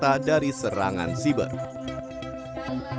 data dari serangan siber